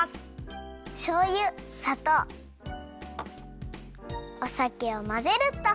しょうゆさとうおさけをまぜるっと。